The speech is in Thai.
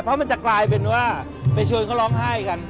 เพราะมันจะกลายเป็นว่าไปชวนเขาร้องไห้กัน